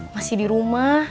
masih di rumah